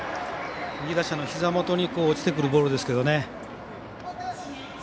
右打者のひざ元に落ちてくるボールですけどね。